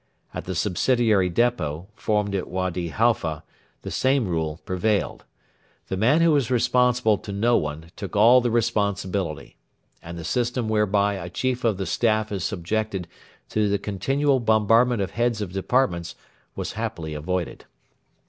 At the subsidiary depot, formed at Wady Halfa, the same rule prevailed. The man who was responsible to no one took all the responsibility; and the system whereby a Chief of the Staff is subjected to the continual bombardment of heads of departments was happily avoided.